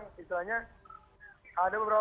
misalnya ada beberapa